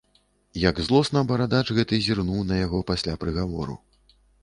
Як злосна барадач гэты зірнуў на яго пасля прыгавору.